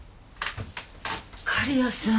狩矢さん。